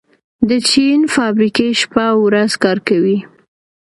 د چین فابریکې شپه او ورځ کار کوي.